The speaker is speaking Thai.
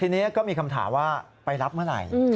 ทีนี้ก็มีคำถามว่าไปรับเมื่อไหร่